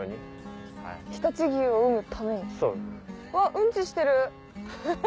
うんちしてる。